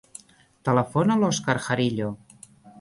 Telefona a l'Òscar Jarillo.